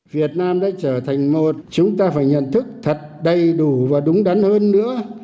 việt nam đã trở thành một chúng ta phải nhận thức thật đầy đủ và đúng đắn hơn nữa